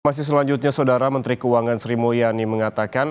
masih selanjutnya saudara menteri keuangan sri mulyani mengatakan